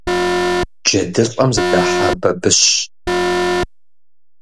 ДжэдылӀэм зыдахьа бабыщ.